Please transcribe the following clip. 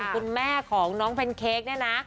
คุณแม่ของน้องแพนเค้กเนี่ยนะ